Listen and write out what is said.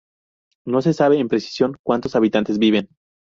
No se sabe en precisión cuantos habitantes viven.